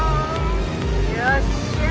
⁉よっしゃ！